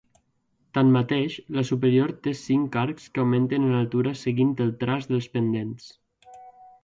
Tanmateix, la superior té cinc arcs que augmenten en altura seguint el traç dels pendents.